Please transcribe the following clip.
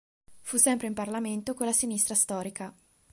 Fu sempre in Parlamento con la sinistra storica.